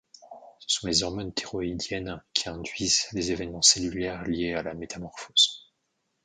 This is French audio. Ce sont les hormones thyroïdiennes qui induisent les événements cellulaires liés à la métamorphose.